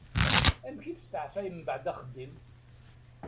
Amek i testeεfayem mbeεd axeddim?